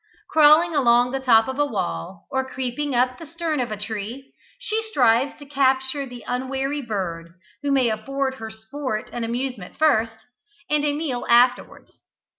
Crawling along the top of a wall, or creeping up the stem of a tree, she strives to capture the unwary bird, who may afford her sport and amusement first, and a meal afterwards.